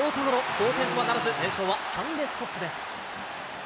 同点とはならず、連勝は３でストップです。